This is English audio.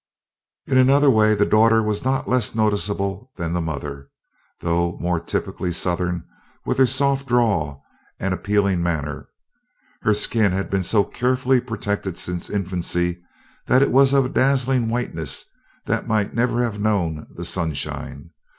In another way the daughter was not less noticeable than the mother, though more typically southern, with her soft drawl and appealing manner. Her skin had been so carefully protected since infancy that it was of a dazzling whiteness that might never have known the sunshine.